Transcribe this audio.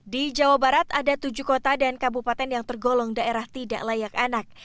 di jawa barat ada tujuh kota dan kabupaten yang tergolong daerah tidak layak anak